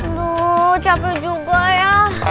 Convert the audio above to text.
aduh capek juga ya